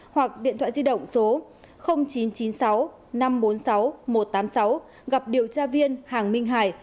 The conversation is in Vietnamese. hoặc điện thoại di động số chín trăm chín mươi sáu năm trăm bốn mươi sáu một trăm tám mươi sáu gặp điều tra viên hoàng minh hải